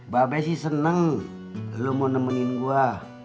babe sih seneng lo mau nemenin gue